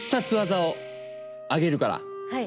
はい。